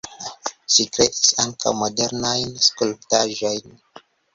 Ŝi kreis ankaŭ modernajn skulptaĵojn.